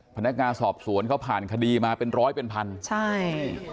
พนักงานสอบสวนเขาผ่านคดีมาเป็นร้อยเป็นพันใช่